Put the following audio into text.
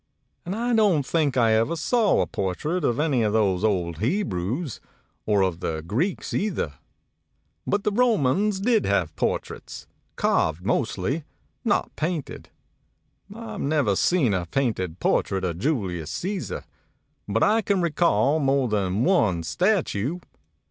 And I don't think I ever saw a portrait of any of those old Hebrews, or of the Greeks either. But the 276 MEMORIES OF MARK TWAIN Romans did have portraits, carved mostly, not painted. I've never seen a painted portrait of Julius Caesar, but I can recall more than one statue.